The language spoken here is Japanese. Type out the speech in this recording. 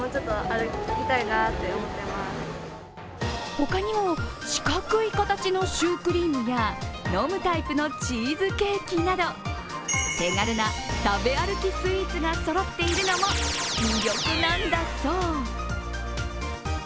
他にも四角い形のシュークリームや飲むタイプのチーズケーキなど、手軽な食べ歩きスイーツがそろっているのも魅力なんだそう。